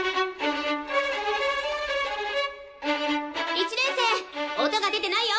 １年生音が出てないよ！